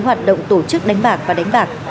hoạt động tổ chức đánh bạc và đánh bạc